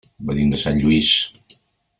Venim de Sant Lluís.